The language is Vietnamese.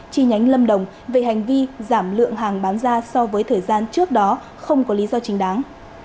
chi nhánh lâm đồng về hành vi giảm lượng hàng bán ra so với thời gian trước đó không có lý do chính đáng